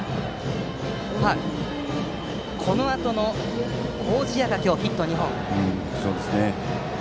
このあとの麹家が今日ヒット２本。